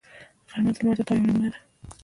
غرمه د لمر د تاو یوه نمونه ده